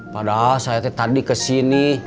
padahal saatnya tadi kesini